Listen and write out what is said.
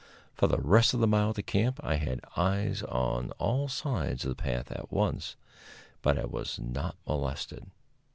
For the rest of the mile to camp I had eyes on all sides of the path at once, but I was not molested.